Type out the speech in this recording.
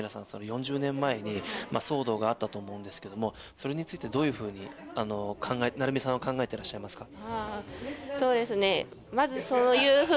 ４０年前に騒動があったと思うんですけどもそれについてどういうふうに成美さんは考えていらっしゃいますか？